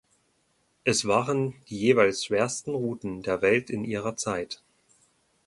Es waren die jeweils schwersten Routen der Welt in ihrer Zeit.